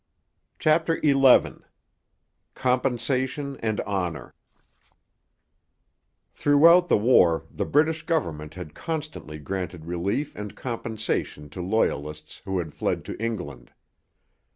CHAPTER XI COMPENSATION AND HONOUR Throughout the war the British government had constantly granted relief and compensation to Loyalists who had fled to England.